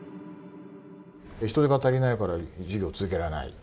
人手が足りないから事業続けられない。